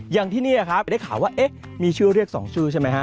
อย่างที่นี่ครับได้ข่าวว่าเอ๊ะมีชื่อเรียก๒ชื่อใช่ไหมฮะ